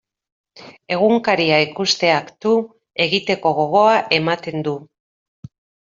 Egunkaria ikusteak tu egiteko gogoa ematen du.